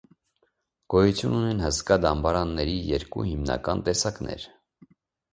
Գոյություն ունեն հսկա դամբարանների երկու հիմնական տեսակներ։